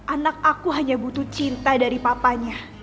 anak aku hanya butuh cinta dari papanya